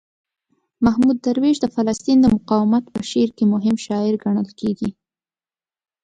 محمود درویش د فلسطین د مقاومت په شعر کې مهم شاعر ګڼل کیږي.